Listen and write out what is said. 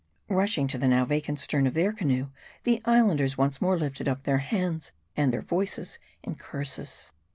Rushing to the now vacant stern of their canoe, the Islanders once more lifted up their hands and their voices in curses.